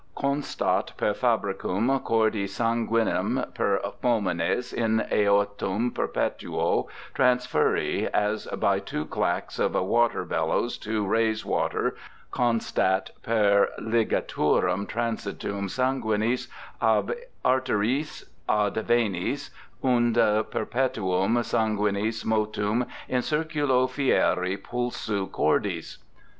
constat per fabricam cordis sanguinem per pulmones in Aortam perpetuo transferri, as by two clacks of a water bellows to rayse water constat per ligaturam transitum sanguinis ab arteriis ad venas unde perpetuum sanguinis motum in circulo fieri pulsu cordis.